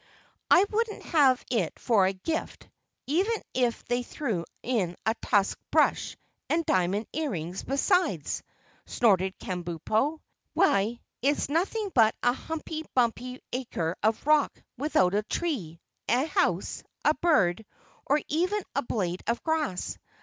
"I wouldn't have it for a gift, even if they threw in a tusk brush and diamond earrings besides!" snorted Kabumpo. "Why, it's nothing but a humpy bumpy acre of rock without a tree, a house, a bird or even a blade of grass.